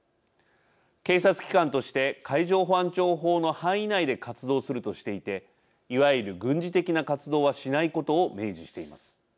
警察機関として海上保安庁法の範囲内で活動するとしていていわゆる軍事的な活動はしないことを明示しています。